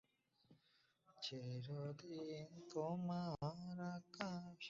রুখতে মেশিন গান।।